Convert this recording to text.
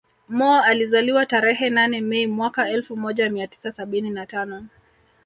Mo alizaliwa tarehe nane Mei mwaka elfu moja mia tisa sabini na tano